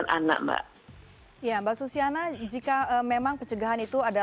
di mana sudah diterapkan endokrinasi d estimated emergency care unit undang undang